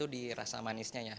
di rasa manisnya